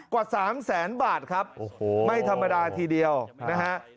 กว่า๓แสนบาทครับไม่ธรรมดาทีเดียวนะฮะ